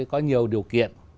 có nhiều điều kiện